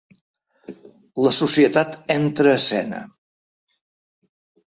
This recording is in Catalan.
La societat entra a esena.